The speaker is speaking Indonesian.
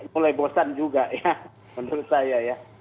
mulai bosan juga ya menurut saya ya